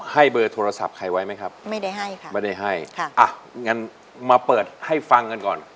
ให้เบอร์โทรศัพท์ใครไว้ไหมครับไม่ได้ให้ค่ะไม่ได้ให้ค่ะอ่ะงั้นมาเปิดให้ฟังกันก่อน